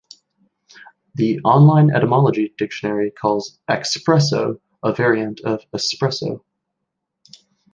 The "Online Etymology Dictionary" calls "expresso" a variant of "espresso.